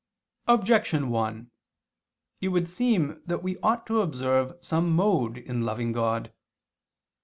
Objection 1: It would seem that we ought to observe some mode in loving God.